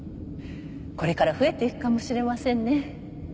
これから増えていくかもしれませんね。